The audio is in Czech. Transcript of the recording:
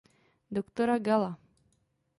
Doktora Galla.